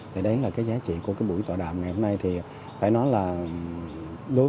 và đã có một quá trình rất là lâu rồi